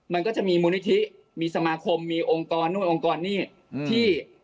มันก็จะมีมูลนิธิมีสมาคมมีองค์กรนู่นองค์กรนี่ที่